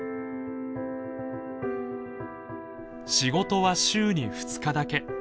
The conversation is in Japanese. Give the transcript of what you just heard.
仕事は週に２日だけ。